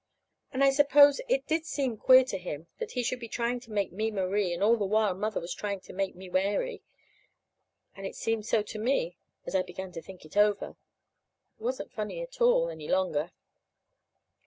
And I suppose it did seem queer to him, that he should be trying to make me Marie, and all the while Mother was trying to make me Mary. And it seemed so to me, as I began to think it over. It wasn't funny at all, any longer.